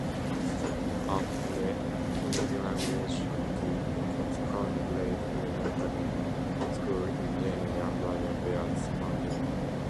A pre-kindergarten to second grade elementary school in Gardiner, Maine bears her name.